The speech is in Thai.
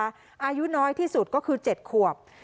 อายุน้อยที่สุดก็คือ๗ขวบ